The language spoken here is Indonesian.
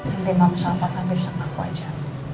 nanti mama sama papa ambil sama aku aja